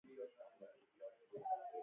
روسۍ پېغله غلې ناسته وه او ځواب یې رانکړ